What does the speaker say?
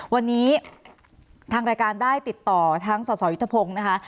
วันนี้ทางรายการได้ติดต่อทั้งสสยุทธพงศ์นะคะ